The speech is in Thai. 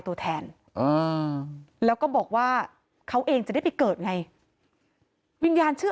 ตัวแทนแล้วก็บอกว่าเขาเองจะได้ไปเกิดไงวิญญาณเชื่อ